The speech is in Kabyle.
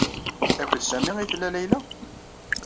Akked Sami ay tella Layla?